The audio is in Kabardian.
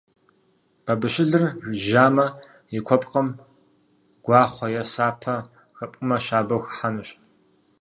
Бабыщылыр жьамэ, и куэпкъым гуахъуэ е сапэ хэпӀумэ щабэу хыхьэнущ.